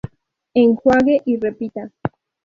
Enjuague y repita.